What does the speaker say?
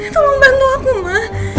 tolong bantu aku ma